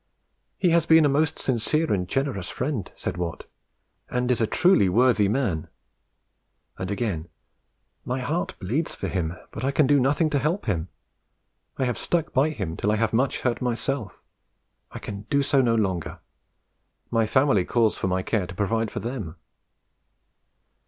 "He has been a most sincere and generous friend," said Watt, "and is a truly worthy man." And again, "My heart bleeds for him, but I can do nothing to help him: I have stuck by him till I have much hurt myself; I can do so no longer; my family calls for my care to provide for them."